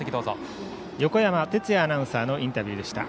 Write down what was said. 横山哲也アナウンサーのインタビューでした。